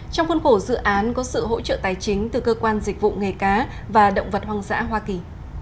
trong khuôn khổ dự án có sự hỗ trợ tài chính từ cơ quan dịch vụ nghề cá và động vật hoang dã hoa kỳ